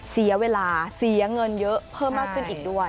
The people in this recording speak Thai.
เสียเวลาเสียเงินเยอะเพิ่มมากขึ้นอีกด้วย